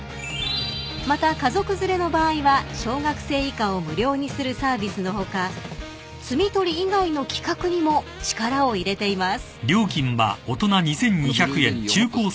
［また家族連れの場合は小学生以下を無料にするサービスの他摘み取り以外の企画にも力を入れています］